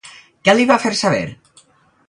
Què li va fer saber?